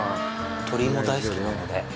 鶏も大好きなので。